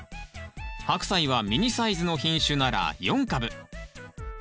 ハクサイはミニサイズの品種なら４株。